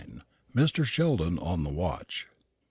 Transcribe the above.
MR. SHELDON ON THE WATCH.